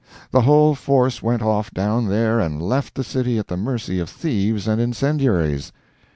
The whole force went off down there and left the city at the mercy of thieves and incendiaries.